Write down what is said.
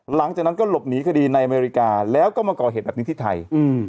หลังจากนั้นก็หลบหนีคดีในอเมริกาแล้วก็มาก่อเหตุแบบนี้ที่ไทย